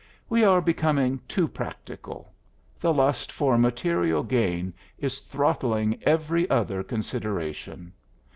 We are becoming too practical; the lust for material gain is throttling every other consideration.